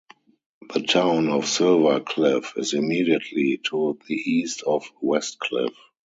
The town of Silver Cliff is immediately to the east of Westcliffe.